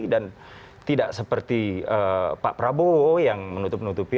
dan tidak seperti pak prabowo yang menutup nutupi